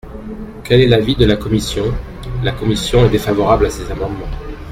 Quel est l’avis de la commission ? La commission est défavorable à ces amendements.